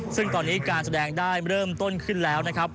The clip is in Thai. ซึ่งตอนนี้การแสดงได้เริ่มต้นขึ้นแล้วนะครับ